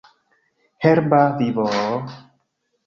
Herba vivo...